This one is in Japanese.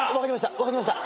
分かりました。